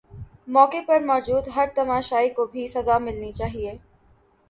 موقع پر موجود ہر تماشائی کو بھی سزا ملنی چاہیے